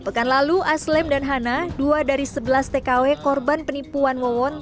pekan lalu aslem dan hana dua dari sebelas tkw korban penipuan wawon